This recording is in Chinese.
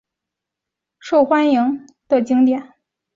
公园中的韩国民俗村是受欢迎的景点。